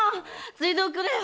注いでおくれよ。